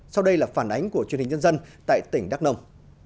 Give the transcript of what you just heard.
sau đây là phản ánh của truyền hình nhân dân tại tỉnh đắk nông